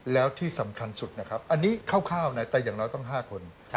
แล้วที่สำคัญสุดนะครับอันนี้คร่าวนะแต่อย่างเราต้อง๕คน